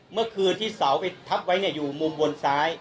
เมื่อคืนที่เสาไปทับไว้อยู่มุมบนซ้าย